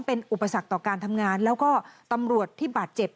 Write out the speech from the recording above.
เป็นอุปสรรคต่อการทำงานแล้วก็ตำรวจที่บาดเจ็บ